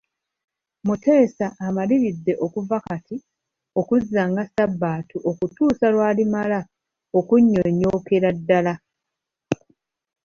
Muteesa amaliridde okuva kati, okukuzanga Sabbato okutuusa lw'alimala okunnyonnyokera ddala.